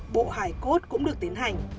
bộ hải cốt cũng được tiến hành